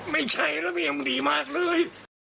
ไม่ใช่แล้วก็ยังดีมากเลย